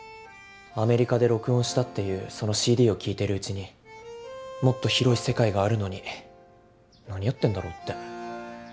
アメリカで録音したっていうそのＣＤを聴いてるうちにもっと広い世界があるのに何やってんだろって。